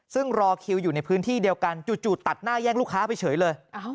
ซึ่งรอคิวอยู่ในพื้นที่เดียวกันจู่ตัดหน้าแย่งลูกค้าไปเฉยเลย